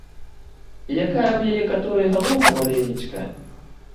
І якая ў яе каторай галоўка маленечкая!